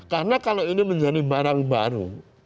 karena kalau ini menjadi barang baru